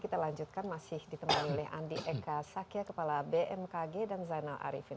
kita lanjutkan masih ditemani oleh andi eka sakya kepala bmkg dan zainal arifin